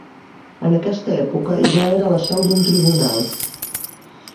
En aquesta època ja era la seu d'un tribunal.